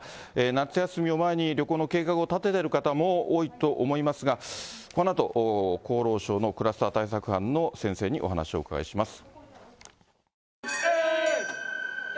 夏休みを前に、旅行の計画を立ててる方も多いと思いますが、このあと厚労省のクラスター対策班の先生にお話をお伺いします。